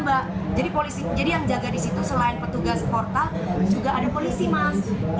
jadi yang jaga disitu selain petugas portal juga ada polisi mas